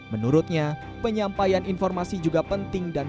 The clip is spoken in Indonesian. menurutnya penyampaian informasi juga penting dan